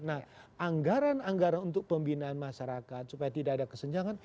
nah anggaran anggaran untuk pembinaan masyarakat supaya tidak ada kesenjangan